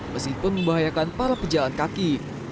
meskipun membahayakan para pejalan kaki